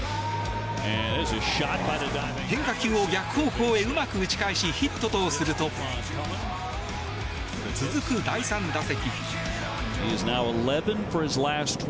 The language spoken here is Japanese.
変化球を逆方向へうまく打ち返しヒットとすると続く第３打席。